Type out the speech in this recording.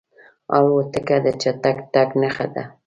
الوتکه د چټک تګ نښه ده.